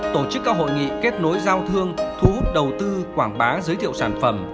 tổ chức các hội nghị kết nối giao thương thu hút đầu tư quảng bá giới thiệu sản phẩm